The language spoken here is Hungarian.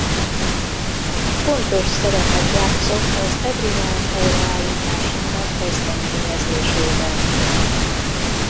Fontos szerepet játszott az egri vár helyreállításának kezdeményezésében.